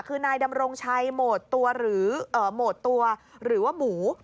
คือนายดำรงชัยโหมดตัวหรือโหมดตัวหรือว่าหมู